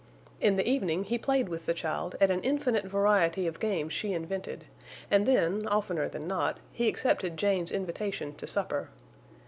In the evening he played with the child at an infinite variety of games she invented, and then, oftener than not, he accepted Jane's invitation to supper.